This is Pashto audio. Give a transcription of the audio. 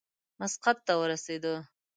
مسقط ته ورسېدی.